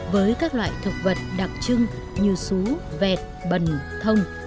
với các loại thực vật đặc trưng như sú vẹt bần thông